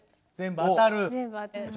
全部当たる？